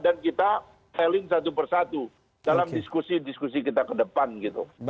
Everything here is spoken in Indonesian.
dan kita teling satu persatu dalam diskusi diskusi kita ke depan gitu